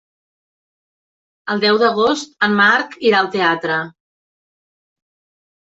El deu d'agost en Marc irà al teatre.